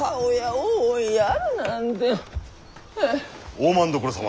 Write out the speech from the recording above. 大政所様